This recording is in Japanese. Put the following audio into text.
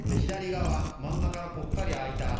真ん中のぽっかり空いた穴